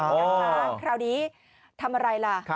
นะคะคราวนี้ทำอะไรล่ะ